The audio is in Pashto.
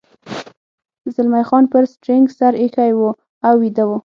زلمی خان پر سټرینګ سر اېښی و او ویده و.